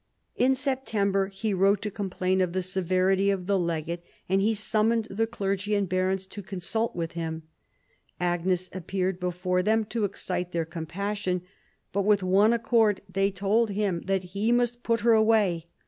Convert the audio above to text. In September he wrote to complain of the severity of the legate, and he summoned the clergy and barons to consult with him. Agnes appeared before them to excite their compassion, but with one accord they told him that vi PHILIP AND THE PAPACY 169 he must put her away.